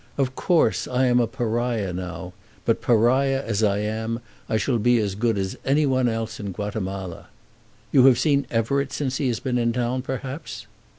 Of course I am a Pariah now; but Pariah as I am, I shall be as good as any one else in Guatemala. You have seen Everett since he has been in town, perhaps?"